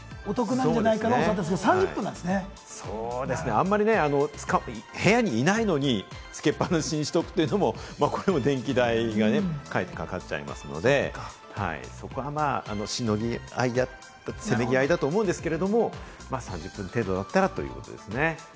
あんまり部屋にいないのにつけっぱなしにしておくというのも、これは電気代がね、かかっちゃいますので、そこはしのぎ合い、せめぎ合いだと思うんですけれども、３０分程度だったらということですね。